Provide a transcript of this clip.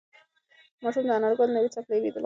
ماشوم د انارګل نوې څپلۍ لیدل غوښتل.